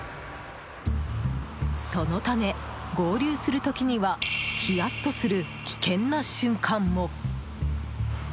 そのため、合流する時にはひやっとする危険な瞬間も。